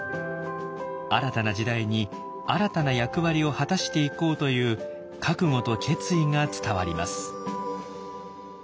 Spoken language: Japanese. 新たな時代に新たな役割を果たしていこうという覚悟と決意が伝わります。